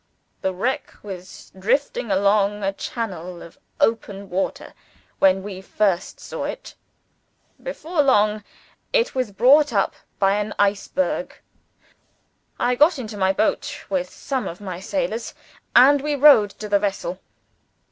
"The wreck was drifting along a channel of open water, when we first saw it. Before long, it was brought up by an iceberg. I got into my boat with some of my sailors, and we rowed to the vessel.